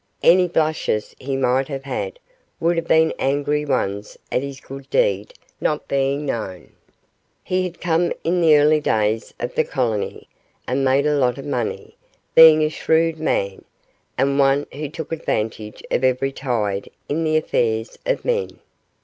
Any blushes he might have had would have been angry ones at his good deed not being known. He had come in the early days of the colony, and made a lot of money, being a shrewd man, and one who took advantage of every tide in the affairs of men.